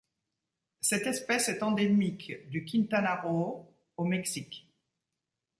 Cette espèce est endémique du Quintana Roo au Mexique.